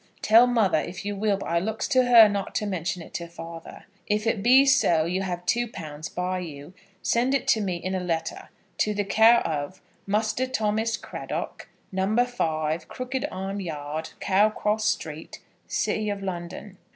Tell mother, if you will; but I looks to her not to mention it to father. If it be so you have two pounds by you, send it to me in a letter, to the care of Muster Thomas Craddock, Number 5, Crooked Arm Yard, Cowcross Street, City of London.